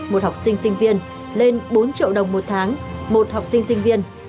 một học sinh sinh viên lên bốn triệu đồng một tháng một học sinh sinh viên